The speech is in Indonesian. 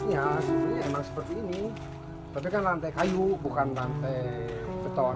ya emang seperti ini tapi kan lantai kayu bukan lantai beton